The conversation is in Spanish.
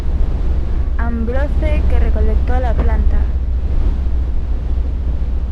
Ambrose que recolectó la planta.